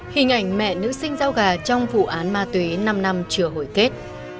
hình ảnh mẹ nữ sinh giao gà trong vụ án ma tuế năm năm trừa hồi kết